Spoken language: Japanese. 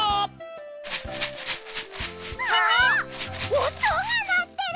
おとがなってる！